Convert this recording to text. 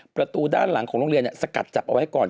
ประตูด้านหลังของโรงเรียนสกัดจับเอาไว้ก่อน